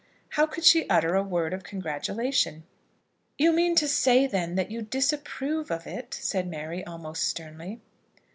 How could she utter a word of congratulation? "You mean, then, to say that you disapprove of it?" said Mary, almost sternly.